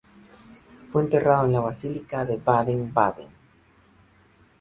Fue enterrado en la basílica de Baden-Baden.